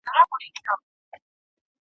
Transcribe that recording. ده د بې سوادۍ ستونزې ته پام کړی و.